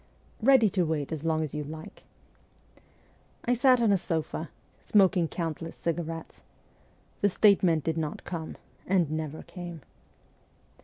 ' Ready to wait as long as you like.' I sat on a sofa, smoking countless cigarettes. The statement did not come, and never came.